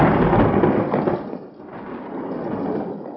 tidur lagi ya